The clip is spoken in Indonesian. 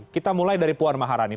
kita mulai dari puan maharani